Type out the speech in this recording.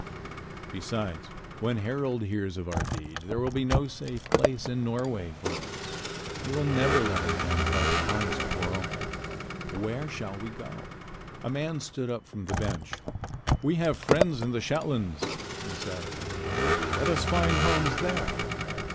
Besides, when Harald hears of our deed, there will not be a safe place in Norway for us. He will never let a man fight out an honest quarrel. Where shall we go?" A man stood up from the bench. "We have friends in the Shetlands," he said. "Let us find homes there."